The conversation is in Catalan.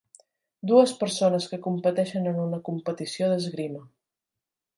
Dues persones que competeixen en una competició d'esgrima.